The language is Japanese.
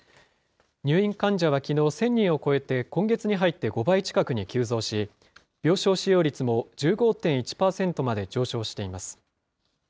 入院患者はきのう、１０００人を超えて、今月に入って５倍近くに急増し、病床使用率も１５．１％まで上昇しています。